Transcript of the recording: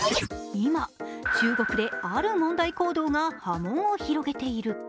今、中国である問題行動が波紋を広げている。